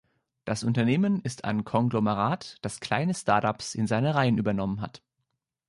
Das Unternehmen ist ein Konglomerat, das kleine Startups in seine Reihen übernommen hat.